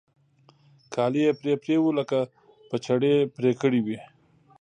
كالي يې پرې پرې وو لکه په چړې پرې كړي وي.